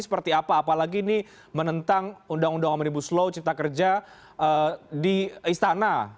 seperti apa apalagi ini menentang undang undang omnibus law cipta kerja di istana